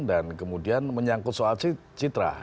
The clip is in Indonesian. dan kemudian menyangkut soal citra